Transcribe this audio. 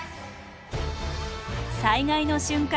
災害の瞬間